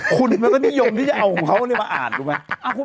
คุณมันก็นิยมที่จะเอาของเขามาอ่านรู้ไหม